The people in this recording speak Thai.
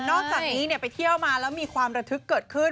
อกจากนี้ไปเที่ยวมาแล้วมีความระทึกเกิดขึ้น